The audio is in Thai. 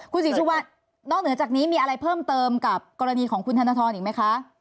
คุณศรีสุวรรณนอกเหนือจากนี้มีอะไรเพิ่มเติมกับกรณีของคุณธนทรอีกไหมคะ